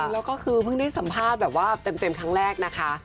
แล้วก็คือเพิ่งได้สัมภาษณ์แบบว่าเต็มครั้งแรกนะคะ